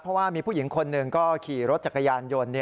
เพราะว่ามีผู้หญิงคนหนึ่งก็ขี่รถจักรยานยนต์